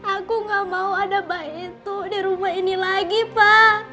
aku gak mau ada baik itu di rumah ini lagi pak